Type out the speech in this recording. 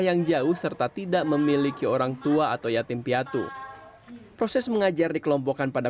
yang jauh serta tidak memiliki orangtua atau yatim piatu proses mengajar dikelompokkan pada